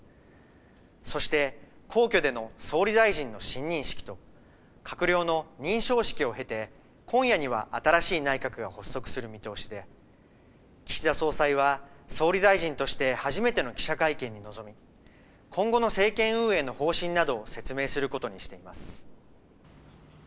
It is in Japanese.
そして皇居での総理大臣の親任式と閣僚の認証式を経て今夜には新しい内閣が発足する見通しで岸田総裁は総理大臣として初めての記者会見に臨み今後の政権運営の方針などを説明することにしています。